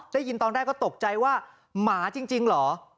ได้ยินตอนแรกก็ตกใจว่าหมาจริงเหรอ